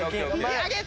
上げて！